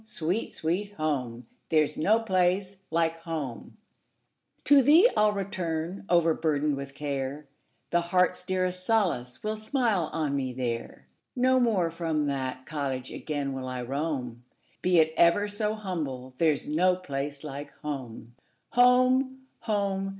sweet, sweet home! There 's no place like home! To thee I 'll return, overburdened with care; The heart's dearest solace will smile on me there; No more from that cottage again will I roam; Be it ever so humble, there 's no place like home. Home! home!